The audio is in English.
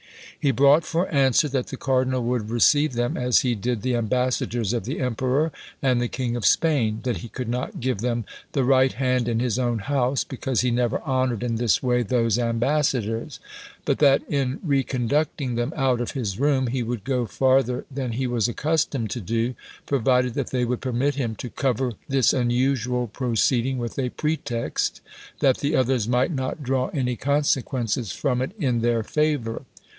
He brought for answer, that the cardinal would receive them as he did the ambassadors of the Emperor and the King of Spain; that he could not give them the right hand in his own house, because he never honoured in this way those ambassadors; but that, in reconducting them out of his room, he would go farther than he was accustomed to do, provided that they would permit him to cover this unusual proceeding with a pretext, that the others might not draw any consequences from it in their favour.